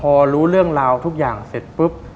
พอรู้เรื่องราวทุกอย่างเสร็จปุ๊บ